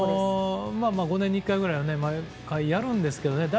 ５年に１回ぐらいやるんですけど。